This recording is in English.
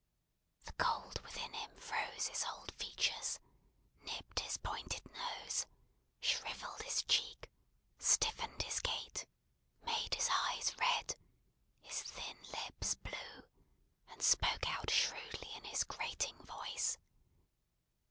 The cold within him froze his old features, nipped his pointed nose, shrivelled his cheek, stiffened his gait; made his eyes red, his thin lips blue; and spoke out shrewdly in his grating voice.